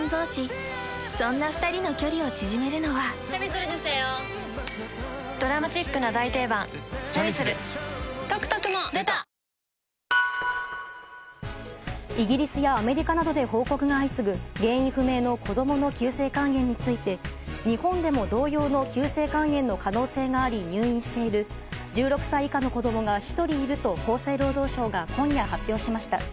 そして、佐々木は今日疲労を考慮されイギリスやアメリカなどで報告が相次ぐ原因不明の子供の急性肝炎について日本でも同様の急性肝炎の可能性があり入院している１６歳以下の子供が１人いると厚生労働省が今夜、発表しました。